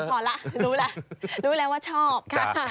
พอละรู้ละรู้แล้วว่าชอบ